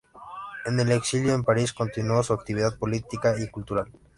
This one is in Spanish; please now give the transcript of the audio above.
En el exilio en París continuó su actividad política y cultural.